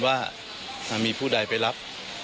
ว่ามีผู้ใดไปรับ